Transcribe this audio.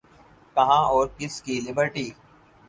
کہاں اور کس کی لبرٹی؟